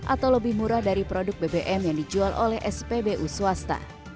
atau lebih murah dari produk bbm yang dijual oleh spbu swasta